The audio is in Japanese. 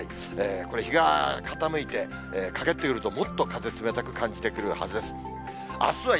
これ、日が傾いて、陰ってくるともっと風冷たく感じてくるはずです。